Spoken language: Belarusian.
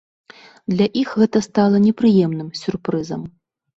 Для іх гэта стала непрыемным сюрпрызам.